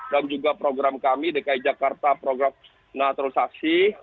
dan juga program kami dki jakarta program naturalisasi